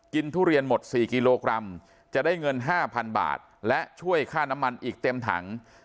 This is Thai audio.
ทุเรียนหมด๔กิโลกรัมจะได้เงิน๕๐๐๐บาทและช่วยค่าน้ำมันอีกเต็มถัง